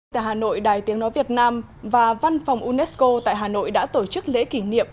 tại hà nội đài tiếng nói việt nam và văn phòng unesco tại hà nội đã tổ chức lễ kỷ niệm